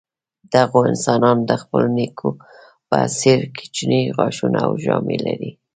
دغو انسانانو د خپلو نیکونو په څېر کوچني غاښونه او ژامې لرلې.